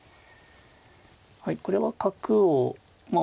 はいこれは角をまあ